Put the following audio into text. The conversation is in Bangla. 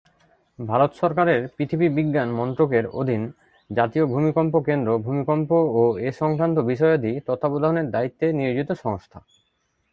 ভারত সরকারের পৃথিবী বিজ্ঞান মন্ত্রকের অধীন জাতীয় ভূমিকম্প কেন্দ্র ভূমিকম্প ও এ সংক্রান্ত বিষয়াদি তত্ত্বাবধানের দায়িত্বে নিয়োজিত সংস্থা।